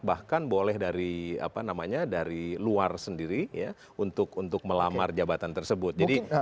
bahkan boleh dari luar sendiri untuk melamar jabatan tersebut